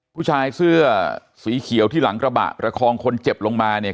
ผู้ชายเสื้อสีเขียวที่หลังกระบะประคองคนเจ็บลงมาเนี่ย